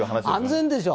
安全でしょ。